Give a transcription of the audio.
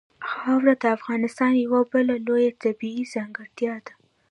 خاوره د افغانستان یوه بله لویه طبیعي ځانګړتیا ده.